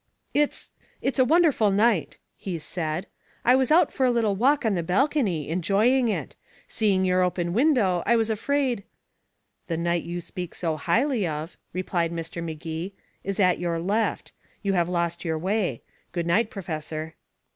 "It's it's a wonderful night," he said. "I was out for a little walk on the balcony, enjoying it. Seeing your open window, I was afraid " "The night you speak so highly of," replied Mr. Magee, "is at your left. You have lost your way. Good night, Professor."